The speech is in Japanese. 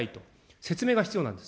説明が必要なんです。